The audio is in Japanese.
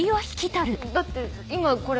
だって今これ。